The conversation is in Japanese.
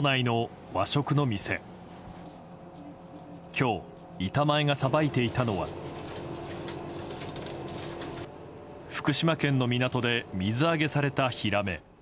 今日、板前がさばいていたのは福島県の港で水揚げされたヒラメ。